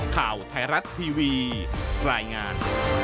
ข่าวไทยรัฐทีวีรายงาน